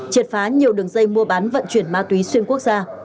triệt phá nhiều đường dây mua bán vận chuyển ma túy xuyên quốc gia